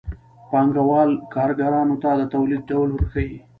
پانګوال کارګرانو ته د تولید ډول ورښيي